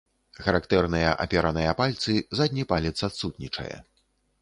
Характэрныя апераныя пальцы, задні палец адсутнічае.